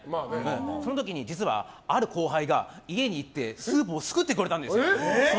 その時に、実はある後輩が家に行ってスープを作ってくれたんですよ。